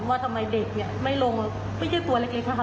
ว่าทำไมเด็กนี่ไม่ลงไม่ใช่ตัวอะไรเกรงค่ะ